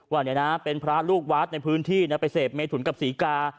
ว่าเป็นพระลูกวาสในพื้นที่ไปเสพเมธุนกับศรีกา